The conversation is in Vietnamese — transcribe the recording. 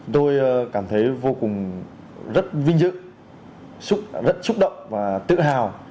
tôi cảm thấy vô cùng rất vinh dự rất xúc động và tự hào